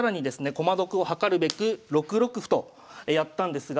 駒得を図るべく６六歩とやったんですが